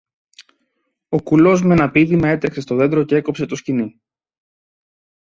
Ο κουλός μ' ένα πήδημα έτρεξε στο δέντρο κι έκοψε το σκοινί.